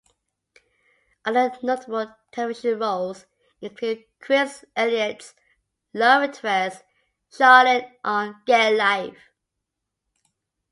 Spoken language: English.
Other notable television roles include Chris Elliott's love interest, Charlene, on "Get a Life".